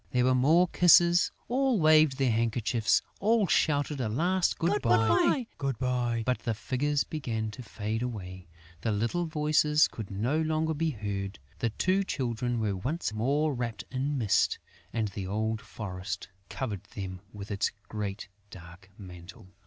There were more kisses; all waved their handkerchiefs; all shouted a last good bye. But the figures began to fade away; the little voices could no longer be heard; the two Children were once more wrapped in mist; and the old forest covered them with its great dark mantle.